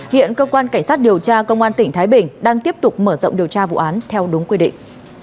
hiện cơ quan cảnh sát điều tra công an tỉnh thái bình đang tiếp tục mở rộng điều tra vụ án theo đúng quy định